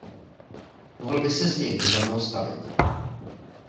Mohl by ses někdy za mnou stavit.